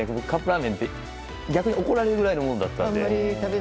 カップラーメンって逆に怒られるぐらいのものだったので。